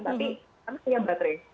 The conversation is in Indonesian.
tapi kami punya baterai